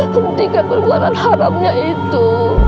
hentikan perbuanan haramnya itu